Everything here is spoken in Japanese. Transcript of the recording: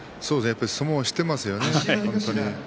相撲をよく知っていますよね。